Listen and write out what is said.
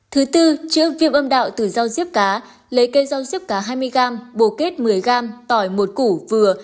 thứ tư chữa viêm âm đạo từ rau diếp cá lấy cây rau diếp cá hai mươi g bồ kết một mươi g tỏi một củ vừa